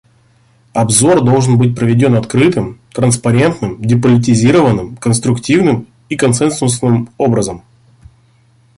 Обзор должен быть проведен открытым, транспарентным, деполитизированным, конструктивным и консенсусным образом.